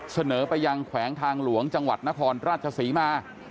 เสนอไปยังแขวงทางหลวงจังหวัดนครราชศรีมา